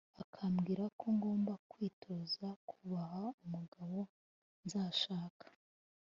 akambwira ko ngomba kwitoza kubaha umugabo nzashaka.